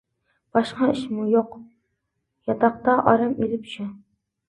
باشقا ئىشمۇ يوق، ياتاقتا ئارام ئېلىپ شۇ.